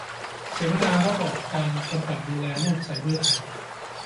เสวนาระบอบการกำกับดูแลโลกไซเบอร์ไทย